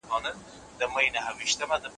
نوښت ستاسو کارونه نوي کوي.